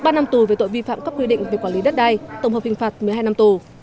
ba năm tù về tội vi phạm các quy định về quản lý đất đai tổng hợp hình phạt một mươi hai năm tù